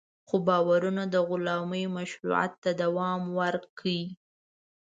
خو باورونه د غلامۍ مشروعیت ته دوام ورکړ.